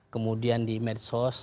kemudian di medsos